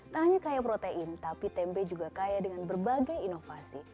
tak hanya kaya protein tapi tempe juga kaya dengan berbagai inovasi